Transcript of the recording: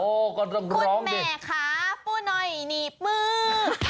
โอ้ก็ต้องร้องดิคุณแหม่ค้าปูหน่อยหนีบมือ